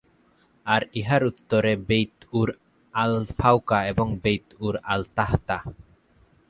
আর ইহার উত্তরে Beit Ur al-Fauqa এবং বেইত উর আল-তাহতা।